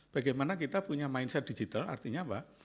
bagaimana kita punya mindset digital artinya apa